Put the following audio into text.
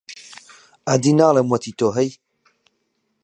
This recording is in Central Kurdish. ئەدی ناڵێم، وەتی تۆ هەی،